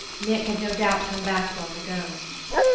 Nick had no doubt come back long ago.